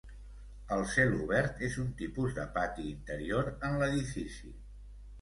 El celobert és un tipus de pati interior en l'edifici.